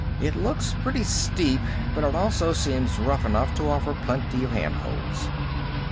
It looks pretty steep, but it also seems rough enough to offer plenty of handholds."